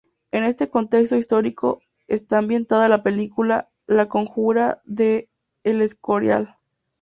En este contexto histórico está ambientada la película "La conjura de El Escorial".